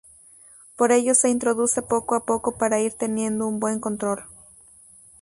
Por ello se introduce poco a poco para ir teniendo un buen control.